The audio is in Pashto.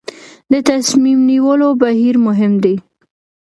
د تصمیم نیولو بهیر مهم دی